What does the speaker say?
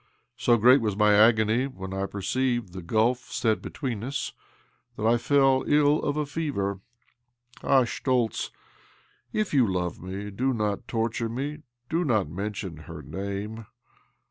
" So great was my agony when I perceived the gulf set between us that I fell ill of a fever. Ah, Schtoltz, if you love me, do not torture me, do not mention her name.